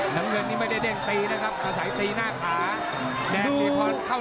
น้ำเงินนี้ไม่ได้เด้งตีนะครับแต่ใส่ตีหน้าขา